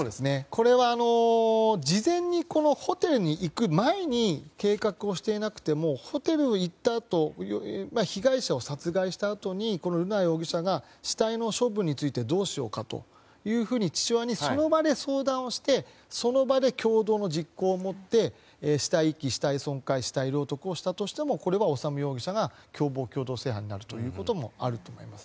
これは事前にホテルに行く前に計画をしていなくてもホテルへ行ったあと被害者を殺害したあとに瑠奈容疑者が死体の処分についてどうしようかと父親にその場で相談してその場で共謀の実行をもって死体遺棄、死体損壊死体領得をしたとしてもこれは修容疑者が共謀共同正犯になると思います。